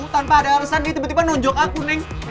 tanpa ada alasan nih tiba tiba nunjuk aku neng